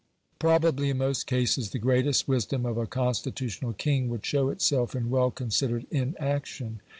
Probably in most cases the greatest wisdom of a constitutional king would show itself in well considered inaction.